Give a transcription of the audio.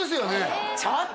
ちょっと！